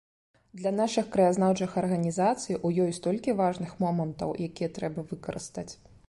Для нашых краязнаўчых арганізацый у ёй столькі важных момантаў, якія трэба выкарыстаць.